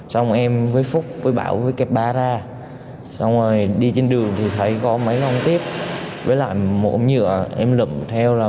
xong rồi em với phúc với bảo với kẹp ba ra xong rồi đi trên đường thì thấy có mấy con tiếp với lại một ống nhựa em lựm theo